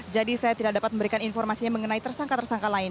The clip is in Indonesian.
jadi saya tidak dapat memberikan informasinya mengenai tersangka tersangka lain